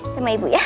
sama ibu ya